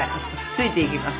ついていきます。